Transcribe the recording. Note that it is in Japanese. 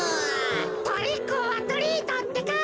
トリックオアトリートってか。